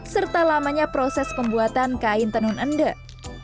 serta lamanya proses pembuatan kain tenun endek